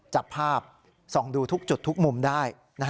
จับภาพส่องดูทุกจุดทุกมุมได้